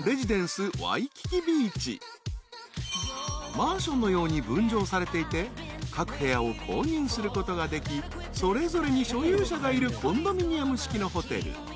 ［マンションのように分譲されていて各部屋を購入することができそれぞれに所有者がいるコンドミニアム式のホテル］